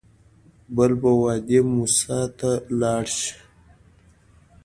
بل به وادي موسی ته لاړ شو.